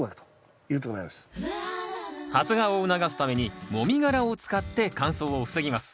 発芽を促すためにもみ殻を使って乾燥を防ぎます。